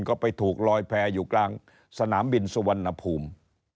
ก็ไปถูกลอยแพร่อยู่กลางสนามบินสุวรรณภูมิ